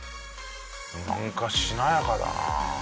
なんかしなやかだな。